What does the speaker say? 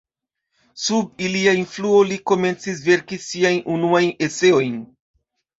Sub ilia influo li komencis verki siajn unuajn eseojn.